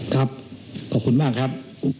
ครับขอบคุณมากครับ